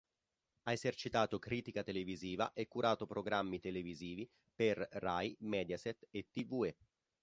Ha esercitato critica televisiva e curato programmi televisivi per Rai, Mediaset e Tve.